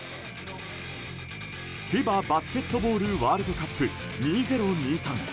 ＦＩＢＡバスケットボールワールドカップ２０２３。